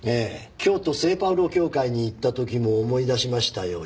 京都聖パウロ教会に行った時も思い出しましたよ修さんを。